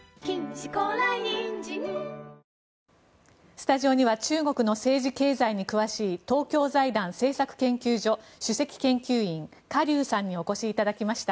スタジオには中国の政治・経済に詳しい東京財団政策研究所主席研究員カ・リュウさんにお越しいただきました。